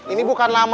ini bukan lama